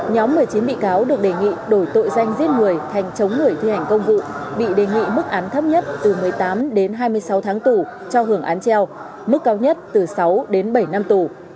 nhóm một mươi chín bị cáo được đề nghị đổi tội danh giết người thành chống người thi hành công vụ bị đề nghị mức án thấp nhất từ một mươi tám đến hai mươi sáu tháng tù cho hưởng án treo mức cao nhất từ sáu đến bảy năm tù